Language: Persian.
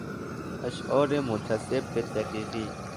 اشعار منتسب به دقیقی